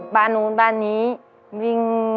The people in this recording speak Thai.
บ้านนู้นบ้านนี้